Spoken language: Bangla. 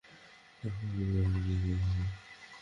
আমরা ফোরটাউন দেখব।